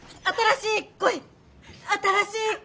新しい恋新しい。